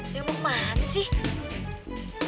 sampai mati sekarang